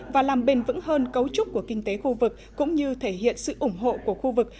và làm bền vững hơn cấu trúc của kinh tế khu vực cũng như thể hiện sự ủng hộ của khu vực